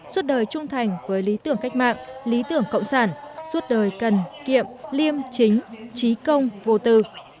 suốt đời trung thành với lý tưởng cách mạng lý tưởng cộng sản suốt đời cần kiệm liêm chính trí công vô tư